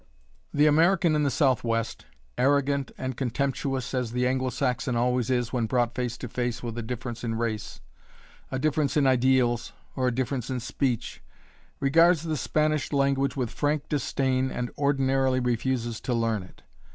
The American in the Southwest, arrogant and contemptuous as the Anglo Saxon always is when brought face to face with a difference in race, a difference in ideals, or a difference in speech, regards the Spanish language with frank disdain and ordinarily refuses to learn it.